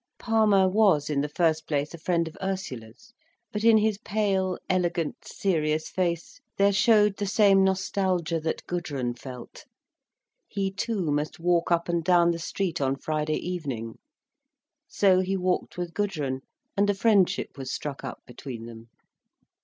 Palmer was in the first place a friend of Ursula's. But in his pale, elegant, serious face there showed the same nostalgia that Gudrun felt. He too must walk up and down the street on Friday evening. So he walked with Gudrun, and a friendship was struck up between them.